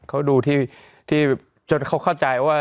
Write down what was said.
เขาดูที่จนเขาเข้าใจว่า